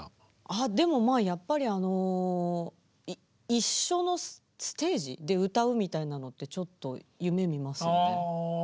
ああでもまあやっぱりあの一緒のステージで歌うみたいなのってちょっと夢みますよね。